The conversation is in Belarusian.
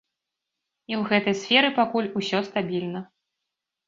І ў гэтай сферы пакуль усё стабільна.